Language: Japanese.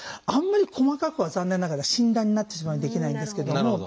あんまり細かくは残念ながら診断になってしまうのでできないんですけども。